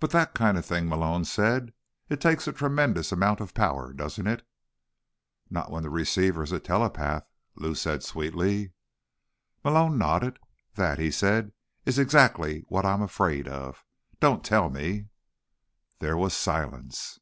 "But that kind of thing," Malone said, "it takes a tremendous amount of power, doesn't it?" "Not when the receiver is a telepath," Lou said sweetly. Malone nodded slowly. "That," he said, "is exactly what I'm afraid of. Don't tell me—" There was silence.